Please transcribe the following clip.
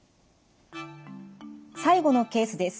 最後のケースです。